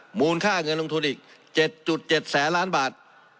มูลค่าเงินลงทุนอีก๗๗แสนล้านบาท